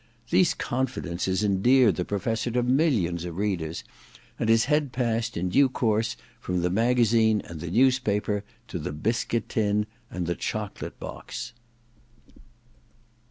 These confidences endeared the Professor to millions of readers, and his head passed in due course from the magazine and the newspaper to the biscuit tin and the chocolate box.